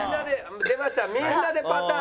出ましたみんなでパターン。